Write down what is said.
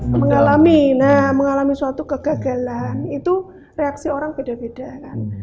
mengalami nah mengalami suatu kegagalan itu reaksi orang beda beda kan